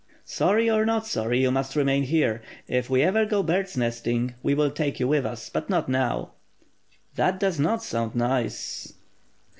"Sorry, or not sorry, you must remain here. If we ever go birdsnesting, we will take you with us; but not now." "That does not sound nice."